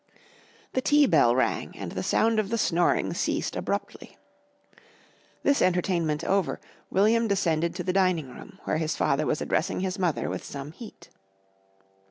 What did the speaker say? The tea bell rang and the sound of the snoring ceased abruptly. This entertainment over, William descended to the dining room, where his father was addressing his mother with some heat.